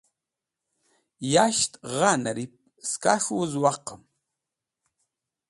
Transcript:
Yasht gha nẽrip saks̃h wuz waqẽm.